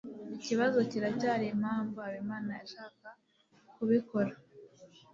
ikibazo kiracyari impamvu habimana yashaka kubikora